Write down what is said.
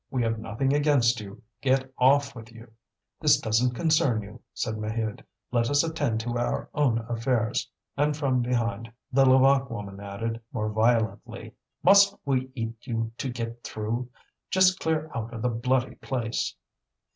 We have nothing against you! Get off with you!" "This doesn't concern you," said Maheude. "Let us attend to our own affairs." And from behind, the Levaque woman added, more violently: "Must we eat you to get through? Just clear out of the bloody place!"